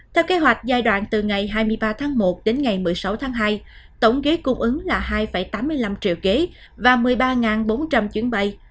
theo kế hoạch giai đoạn từ ngày hai mươi ba tháng một đến ngày một mươi sáu tháng hai tổng ghế cung ứng là hai tám mươi năm triệu ghế và một mươi ba bốn trăm linh chuyến bay